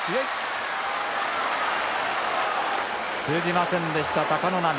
通じませんでした貴ノ浪。